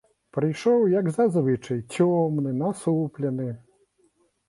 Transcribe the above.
Прыйшоў, як зазвычай, цёмны, насуплены.